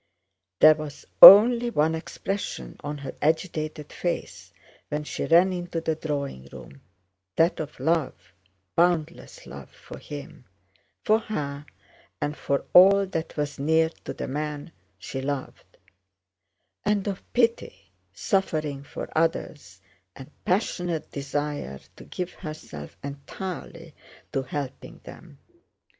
There was only one expression on her agitated face when she ran into the drawing room—that of love—boundless love for him, for her, and for all that was near to the man she loved; and of pity, suffering for others, and passionate desire to give herself entirely to helping them.